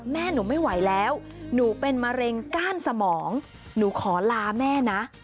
แม่หนูไม่ไหวแล้วหนูเป็นมะเร็งก้านสมองหนูขอลาแม่นะ